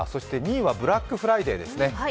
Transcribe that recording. ２位はブラックフライデーですね。